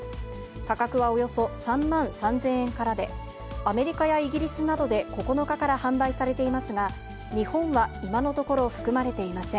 価格はおよそ３万３０００円からで、アメリカやイギリスなどで９日から販売されていますが、日本は今のところ含まれていません。